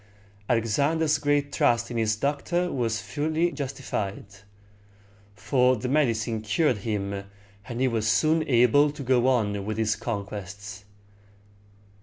Alexander's great trust in his doctor was fully justified; for the medicine cured him, and he was soon able to go on with his conquests.